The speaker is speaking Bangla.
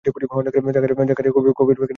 জাকারিয়া কফির প্যাকেট হাতে নিলেন।